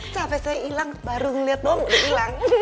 sampai saya ilang baru ngeliat bau gue udah ilang